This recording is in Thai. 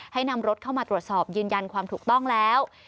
ให้นำรถเข้ามาตรวจสอบยืนยันความถูกต้องแล้ว